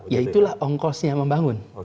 ya itulah ongkosnya membangun